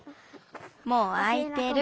もうあいてる。